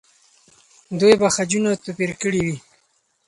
دوی به خجونه توپیر کړي وي.